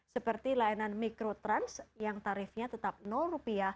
seperti layanan mikrotrans yang tarifnya tetap